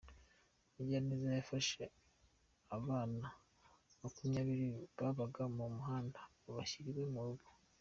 Umugiraneza Yafashe abana makumyabiri babaga mu muhanda abashyira iwe mu rugo